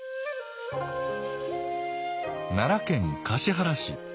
奈良県橿原市。